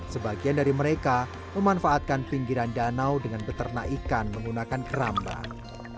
sebagian dari mereka memanfaatkan pinggiran danau dengan beternak ikan menggunakan kerambang